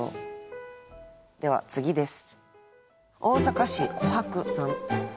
では次です。